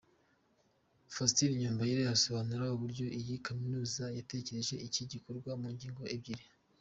Faustin Nyombayire asobanura uburyo iyi kaminuza yatekereje iki gikorwa mu ngingo ebyiri.